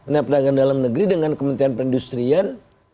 nah perdagangan dalam negeri dengan kementerian perindustrian